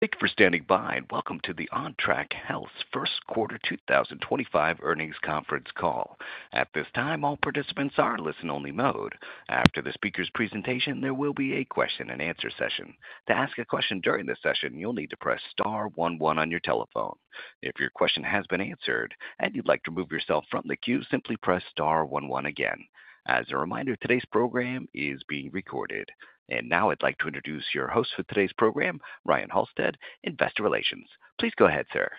Thank you for standing by, and welcome to the Ontrak Health's First Quarter 2025 Earnings Conference call. At this time, all participants are in listen-only mode. After the speaker's presentation, there will be a question-and-answer session. To ask a question during this session, you'll need to press star 11 on your telephone. If your question has been answered and you'd like to remove yourself from the queue, simply press star 11 again. As a reminder, today's program is being recorded. Now I'd like to introduce your host for today's program, Ryan Halstead, Investor Relations. Please go ahead, sir.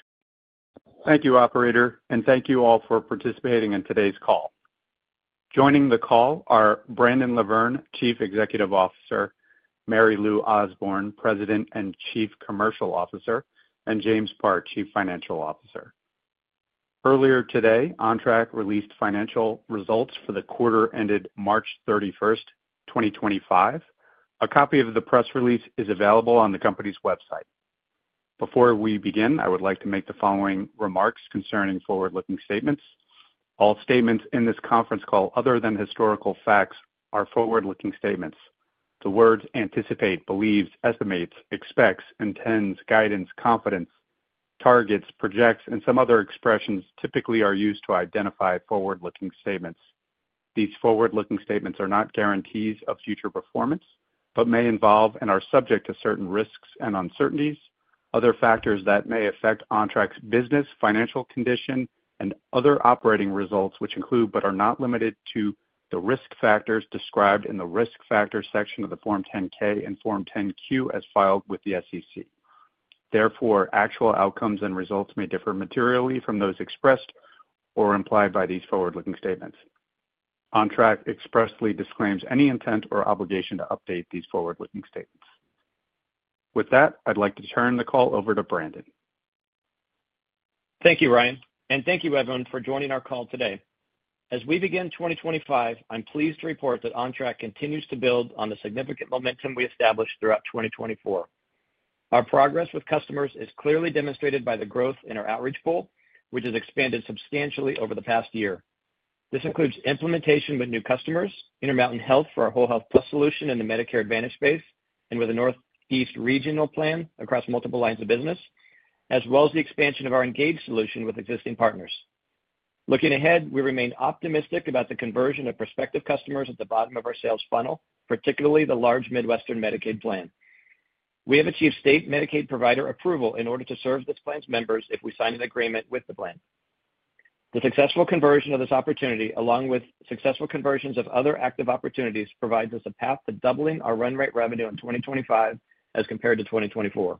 Thank you, Operator, and thank you all for participating in today's call. Joining the call are Brandon LaVerne, Chief Executive Officer; Mary Louise Osborne, President and Chief Commercial Officer; and James Park, Chief Financial Officer. Earlier today, Ontrak released financial results for the quarter ended March 31, 2025. A copy of the press release is available on the company's website. Before we begin, I would like to make the following remarks concerning forward-looking statements. All statements in this conference call, other than historical facts, are forward-looking statements. The words anticipate, believes, estimates, expects, intends, guidance, confidence, targets, projects, and some other expressions typically are used to identify forward-looking statements. These forward-looking statements are not guarantees of future performance but may involve and are subject to certain risks and uncertainties, other factors that may affect Ontrak's business, financial condition, and other operating results, which include but are not limited to the risk factors described in the risk factor section of the Form 10-K and Form 10-Q as filed with the SEC. Therefore, actual outcomes and results may differ materially from those expressed or implied by these forward-looking statements. Ontrak expressly disclaims any intent or obligation to update these forward-looking statements. With that, I'd like to turn the call over to Brandon. Thank you, Ryan, and thank you, everyone, for joining our call today. As we begin 2025, I'm pleased to report that Ontrak continues to build on the significant momentum we established throughout 2024. Our progress with customers is clearly demonstrated by the growth in our outreach pool, which has expanded substantially over the past year. This includes implementation with new customers, Intermountain Health for our Whole Health Plus solution in the Medicare Advantage space, and with a Northeast regional plan across multiple lines of business, as well as the expansion of our Engaged solution with existing partners. Looking ahead, we remain optimistic about the conversion of prospective customers at the bottom of our sales funnel, particularly the large Midwest Medicaid plan. We have achieved state Medicaid provider approval in order to serve this plan's members if we sign an agreement with the plan. The successful conversion of this opportunity, along with successful conversions of other active opportunities, provides us a path to doubling our run rate revenue in 2025 as compared to 2024.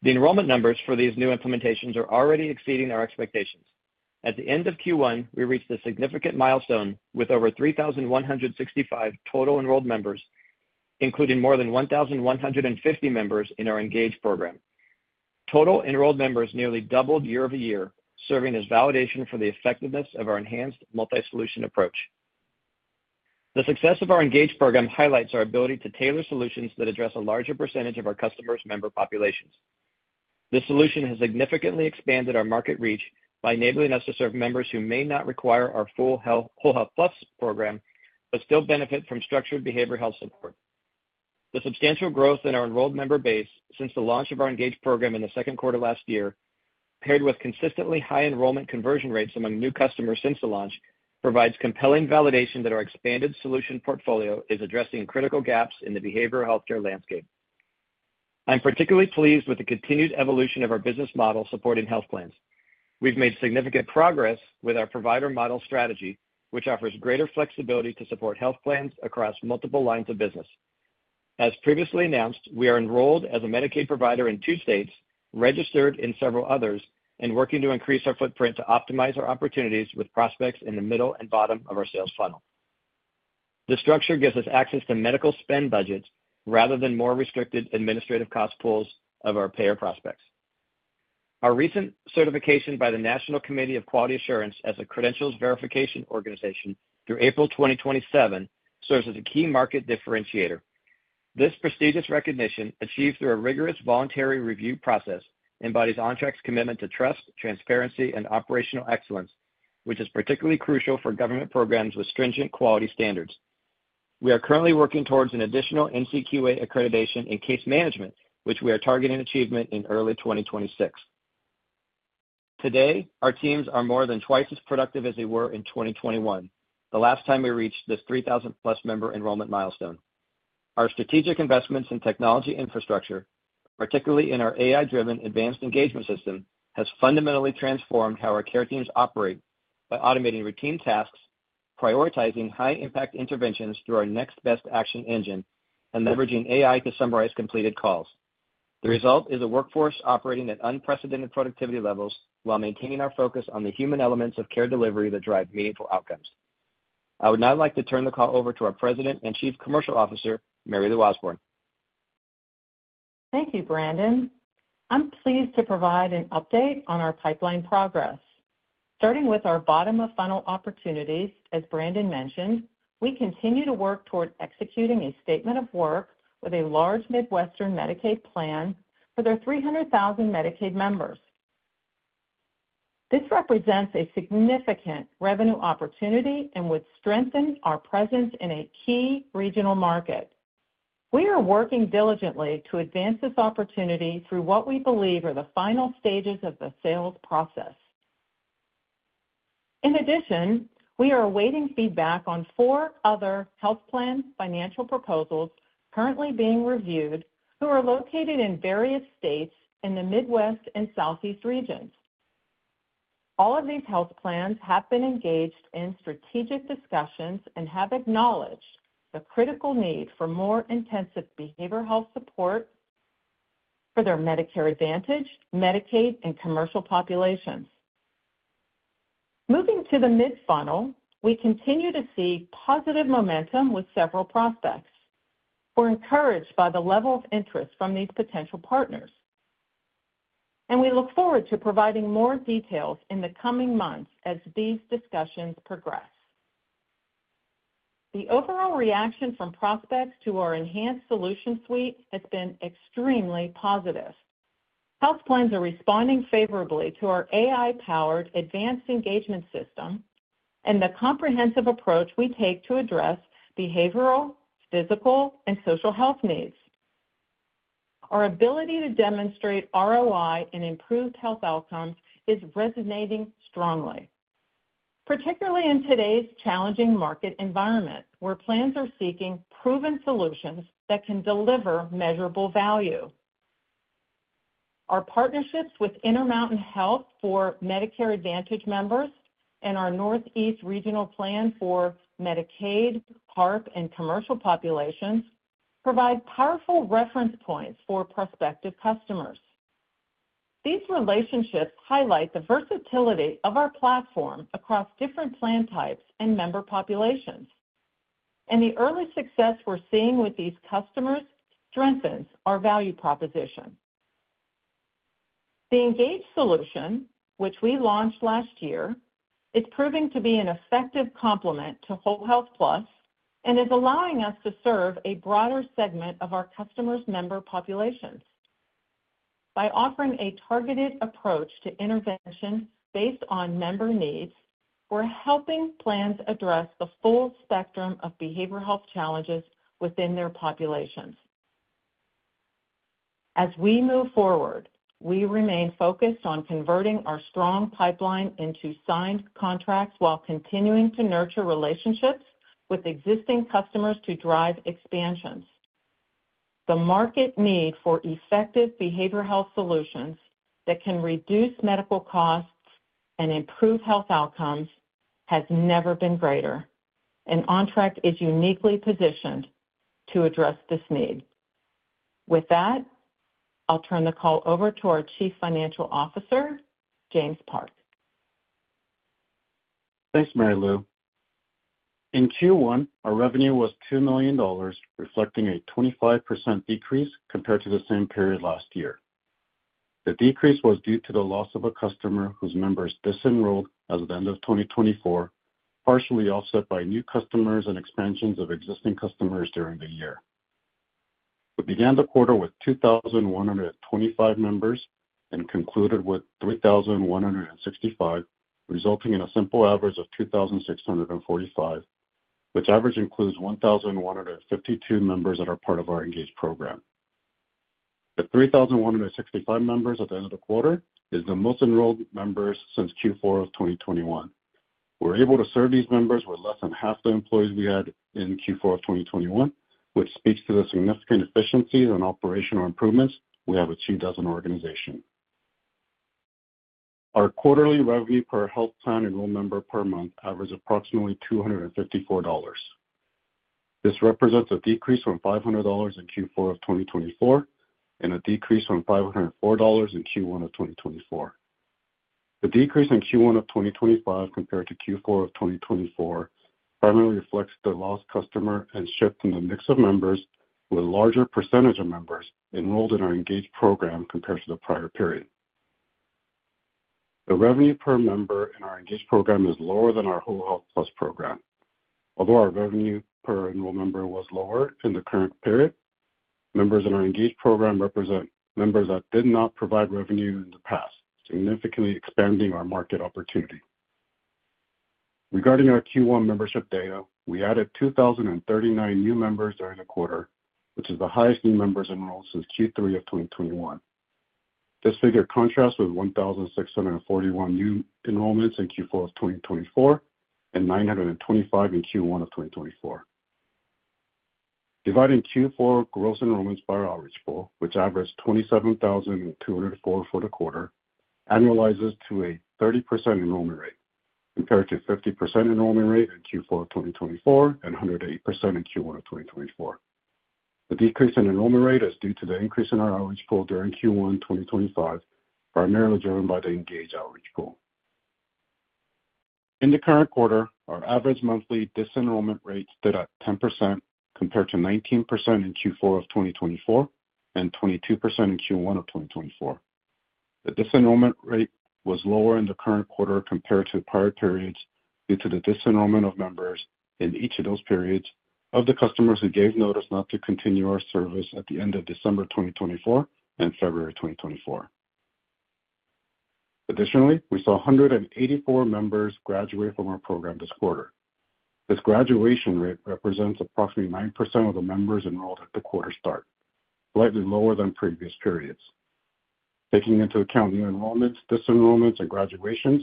The enrollment numbers for these new implementations are already exceeding our expectations. At the end of Q1, we reached a significant milestone with over 3,165 total enrolled members, including more than 1,150 members in our Engaged program. Total enrolled members nearly doubled year over year, serving as validation for the effectiveness of our enhanced multi-solution approach. The success of our Engaged program highlights our ability to tailor solutions that address a larger percentage of our customers' member populations. This solution has significantly expanded our market reach by enabling us to serve members who may not require our full Whole Health Plus program but still benefit from structured behavioral health support. The substantial growth in our enrolled member base since the launch of our Engaged program in the second quarter last year, paired with consistently high enrollment conversion rates among new customers since the launch, provides compelling validation that our expanded solution portfolio is addressing critical gaps in the behavioral healthcare landscape. I'm particularly pleased with the continued evolution of our business model supporting health plans. We've made significant progress with our provider model strategy, which offers greater flexibility to support health plans across multiple lines of business. As previously announced, we are enrolled as a Medicaid provider in two states, registered in several others, and working to increase our footprint to optimize our opportunities with prospects in the middle and bottom of our sales funnel. This structure gives us access to medical spend budgets rather than more restricted administrative cost pools of our payer prospects. Our recent certification by the National Committee for Quality Assurance as a credentials verification organization through April 2027 serves as a key market differentiator. This prestigious recognition, achieved through a rigorous voluntary review process, embodies Ontrak's commitment to trust, transparency, and operational excellence, which is particularly crucial for government programs with stringent quality standards. We are currently working towards an additional NCQA accreditation in case management, which we are targeting achievement in early 2026. Today, our teams are more than twice as productive as they were in 2021, the last time we reached the 3,000-plus member enrollment milestone. Our strategic investments in technology infrastructure, particularly in our AI-driven advanced engagement system, have fundamentally transformed how our care teams operate by automating routine tasks, prioritizing high-impact interventions through our next best action engine, and leveraging AI to summarize completed calls. The result is a workforce operating at unprecedented productivity levels while maintaining our focus on the human elements of care delivery that drive meaningful outcomes. I would now like to turn the call over to our President and Chief Commercial Officer, Mary Louise Osborne. Thank you, Brandon. I'm pleased to provide an update on our pipeline progress. Starting with our bottom-of-funnel opportunities, as Brandon mentioned, we continue to work toward executing a statement of work with a large Midwestern Medicaid plan for their 300,000 Medicaid members. This represents a significant revenue opportunity and would strengthen our presence in a key regional market. We are working diligently to advance this opportunity through what we believe are the final stages of the sales process. In addition, we are awaiting feedback on four other health plan financial proposals currently being reviewed who are located in various states in the Midwest and Southeast regions. All of these health plans have been engaged in strategic discussions and have acknowledged the critical need for more intensive behavioral health support for their Medicare Advantage, Medicaid, and commercial populations. Moving to the mid-funnel, we continue to see positive momentum with several prospects. We're encouraged by the level of interest from these potential partners, and we look forward to providing more details in the coming months as these discussions progress. The overall reaction from prospects to our enhanced solution suite has been extremely positive. Health plans are responding favorably to our AI-powered advanced engagement system and the comprehensive approach we take to address behavioral, physical, and social health needs. Our ability to demonstrate ROI and improved health outcomes is resonating strongly, particularly in today's challenging market environment where plans are seeking proven solutions that can deliver measurable value. Our partnerships with Intermountain Health for Medicare Advantage members and our Northeast regional plan for Medicaid, HARP, and commercial populations provide powerful reference points for prospective customers. These relationships highlight the versatility of our platform across different plan types and member populations, and the early success we're seeing with these customers strengthens our value proposition. The Engaged solution, which we launched last year, is proving to be an effective complement to Whole Health Plus and is allowing us to serve a broader segment of our customers' member populations. By offering a targeted approach to intervention based on member needs, we're helping plans address the full spectrum of behavioral health challenges within their populations. As we move forward, we remain focused on converting our strong pipeline into signed contracts while continuing to nurture relationships with existing customers to drive expansions. The market need for effective behavioral health solutions that can reduce medical costs and improve health outcomes has never been greater, and Ontrak is uniquely positioned to address this need. With that, I'll turn the call over to our Chief Financial Officer, James Park. Thanks, Mary Lou. In Q1, our revenue was $2 million, reflecting a 25% decrease compared to the same period last year. The decrease was due to the loss of a customer whose members disenrolled as of the end of 2024, partially offset by new customers and expansions of existing customers during the year. We began the quarter with 2,125 members and concluded with 3,165, resulting in a simple average of 2,645, which average includes 1,152 members that are part of our Engaged program. The 3,165 members at the end of the quarter is the most enrolled members since Q4 of 2021. We're able to serve these members with less than half the employees we had in Q4 of 2021, which speaks to the significant efficiencies and operational improvements we have achieved as an organization. Our quarterly revenue per health plan enrolled member per month averages approximately $254. This represents a decrease from $500 in Q4 of 2024 and a decrease from $504 in Q1 of 2024. The decrease in Q1 of 2025 compared to Q4 of 2024 primarily reflects the lost customer and shift in the mix of members with a larger percentage of members enrolled in our Engaged program compared to the prior period. The revenue per member in our Engaged program is lower than our Whole Health Plus program. Although our revenue per enrolled member was lower in the current period, members in our Engaged program represent members that did not provide revenue in the past, significantly expanding our market opportunity. Regarding our Q1 membership data, we added 2,039 new members during the quarter, which is the highest new members enrolled since Q3 of 2021. This figure contrasts with 1,641 new enrollments in Q4 of 2024 and 925 in Q1 of 2024. Dividing Q4 gross enrollments by our outreach pool, which averaged 27,204 for the quarter, annualizes to a 30% enrollment rate compared to a 50% enrollment rate in Q4 of 2024 and 108% in Q1 of 2024. The decrease in enrollment rate is due to the increase in our outreach pool during Q1 2025, primarily driven by the Engaged outreach pool. In the current quarter, our average monthly disenrollment rate stood at 10% compared to 19% in Q4 of 2024 and 22% in Q1 of 2024. The disenrollment rate was lower in the current quarter compared to prior periods due to the disenrollment of members in each of those periods of the customers who gave notice not to continue our service at the end of December 2024 and February 2024. Additionally, we saw 184 members graduate from our program this quarter. This graduation rate represents approximately 9% of the members enrolled at the quarter start, slightly lower than previous periods. Taking into account new enrollments, disenrollments, and graduations,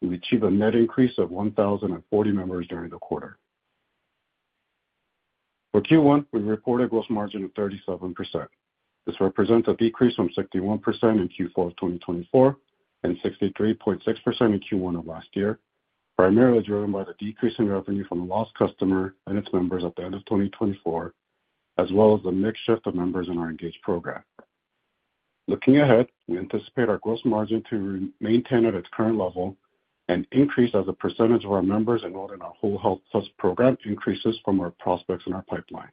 we achieved a net increase of 1,040 members during the quarter. For Q1, we reported a gross margin of 37%. This represents a decrease from 61% in Q4 of 2024 and 63.6% in Q1 of last year, primarily driven by the decrease in revenue from the lost customer and its members at the end of 2024, as well as the mix shift of members in our Engaged program. Looking ahead, we anticipate our gross margin to maintain at its current level and increase as the percentage of our members enrolled in our Whole Health Plus program increases from our prospects in our pipeline.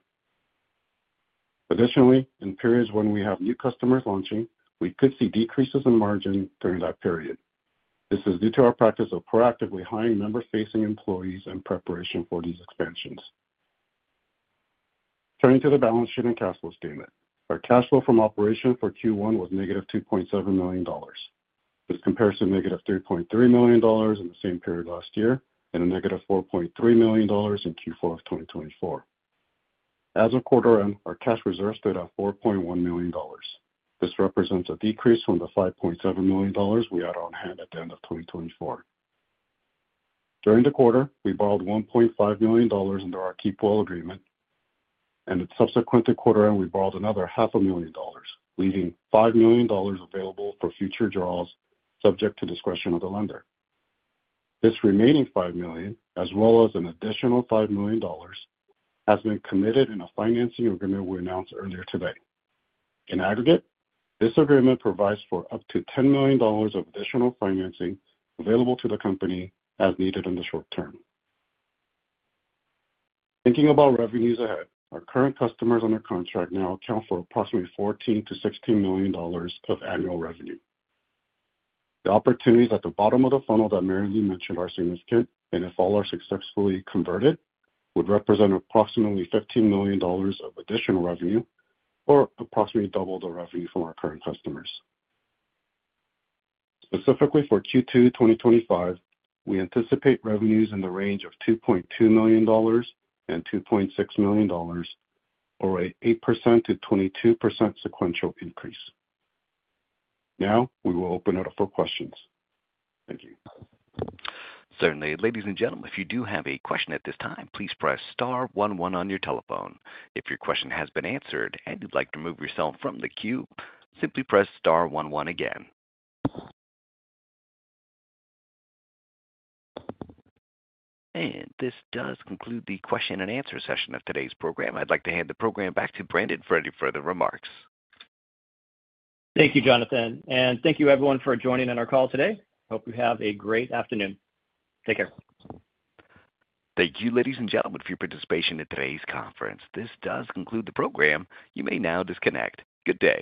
Additionally, in periods when we have new customers launching, we could see decreases in margin during that period. This is due to our practice of proactively hiring member-facing employees in preparation for these expansions. Turning to the balance sheet and cash flow statement, our cash flow from operations for Q1 was −$2.7 million. This compares to negative $3.3 million in the same period last year and a negative $4.3 million in Q4 of 2024. As of quarter end, our cash reserve stood at $4.1 million. This represents a decrease from the $5.7 million we had on hand at the end of 2024. During the quarter, we borrowed $1.5 million under our key pool agreement, and in subsequent to quarter end, we borrowed another $500,000, leaving $5 million available for future draws subject to discretion of the lender. This remaining $5 million, as well as an additional $5 million, has been committed in a financing agreement we announced earlier today. In aggregate, this agreement provides for up to $10 million of additional financing available to the company as needed in the short term. Thinking about revenues ahead, our current customers under contract now account for approximately $14-$16 million of annual revenue. The opportunities at the bottom of the funnel that Mary Lou mentioned are significant, and if all are successfully converted, would represent approximately $15 million of additional revenue or approximately double the revenue from our current customers. Specifically for Q2 2025, we anticipate revenues in the range of $2.2 million-$2.6 million, or an 8%-22% sequential increase. Now, we will open it up for questions. Thank you. Certainly. Ladies and gentlemen, if you do have a question at this time, please press star 11 on your telephone. If your question has been answered and you'd like to remove yourself from the queue, simply press star 11 again. This does conclude the question and answer session of today's program. I'd like to hand the program back to Brandon for any further remarks. Thank you, Jonathan, and thank you, everyone, for joining in our call today. Hope you have a great afternoon. Take care. Thank you, ladies and gentlemen, for your participation in today's conference. This does conclude the program. You may now disconnect. Good day.